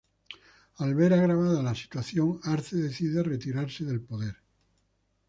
Al ver agravada la situación, Arce decide retirase del poder.